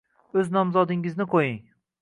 O'z nomzodingizni qo'ying.